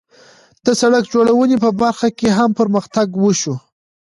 د سړک جوړونې په برخه کې هم پرمختګ وشو.